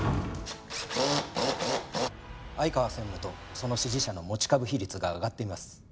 相川専務とその支持者の持ち株比率が上がっています。